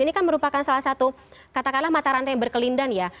ini kan merupakan salah satu katakanlah mata rantai yang berkelindan ya